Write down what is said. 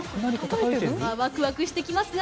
ワクワクしてきますね。